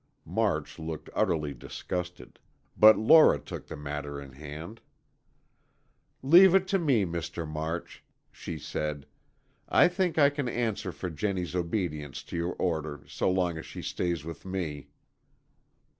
March looked utterly disgusted, but Lora took the matter in hand. "Leave it to me, Mr. March," she said. "I think I can answer for Jennie's obedience to your order so long as she stays with me."